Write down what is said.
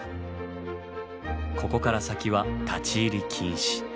ここから先は立ち入り禁止。